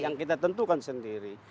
yang kita tentukan sendiri